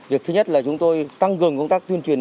việc thứ nhất là chúng tôi tăng cường công tác tuyên truyền